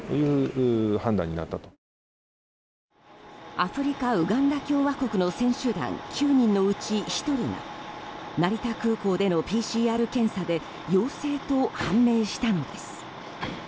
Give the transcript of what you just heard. アフリカ・ウガンダ共和国の選手団９人のうち１人が成田空港でのＰＣＲ検査で陽性と判明したのです。